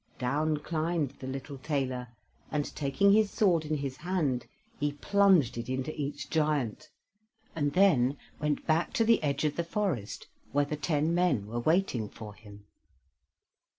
Down climbed the little tailor, and taking his sword in his hand he plunged it into each giant, and then went back to the edge of the forest where the ten men were waiting for him.